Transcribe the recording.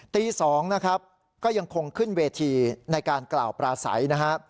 ตี๒นะครับก็ยังคงขึ้นเวทีในการกล่าวปราศัยนะฮะ